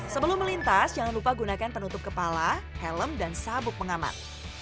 sebelum melintas jangan lupa gunakan penutup kepala helm dan sabuk pengamat